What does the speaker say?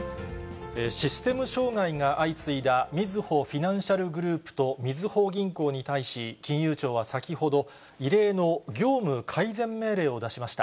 システム障害が相次いだみずほフィナンシャルグループと、みずほ銀行に対し、金融庁は先ほど、異例の業務改善命令を出しました。